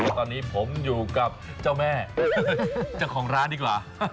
ตอนนี้ผมอยู่กับเจ้าแม่เจ้าของร้านดีกว่า